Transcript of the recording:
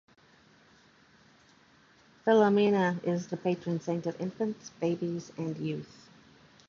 Philomena is the patron saint of infants, babies, and youth.